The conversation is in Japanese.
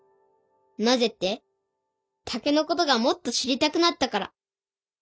なぜって竹のことがもっと知りたくなったから。